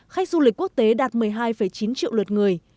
khách du lịch quốc tế đạt một mươi hai chín triệu lượt người